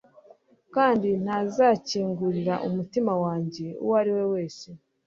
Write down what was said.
kandi ntazakingurira umutima wanjye uwo ari we wese